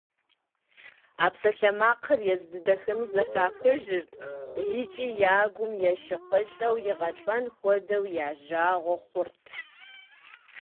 А псалъэмакъхэр езы дыдэхэми зэхахыжырт икӀи я гум ешыкъылӀэу, игъэлӀэн хуэдэу я жагъуэ хъурт.